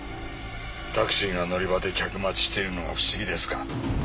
タクシーが乗り場で客待ちしているのが不思議ですか？